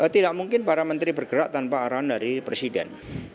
tidak mungkin para menteri bergerak tanpa arahan dari presiden